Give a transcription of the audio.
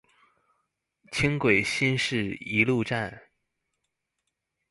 輕軌新市一路站